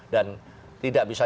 dan tidak bisa